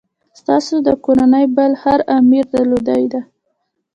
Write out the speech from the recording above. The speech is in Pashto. ستاسي د کورنۍ بل هر امیر درلودلې ده.